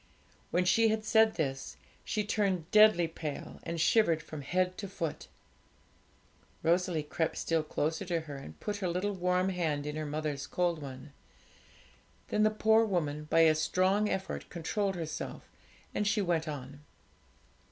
When she had said this, she turned deadly pale, and shivered from head to foot. Rosalie crept still closer to her, and put her little warm hand in her mother's cold one. Then the poor woman by a strong effort controlled herself, and she went on.